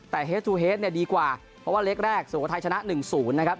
แต่เฮสตูเฮสเนี่ยดีกว่าเพราะว่าเลขแรกสุโขทัยชนะหนึ่งศูนย์นะครับ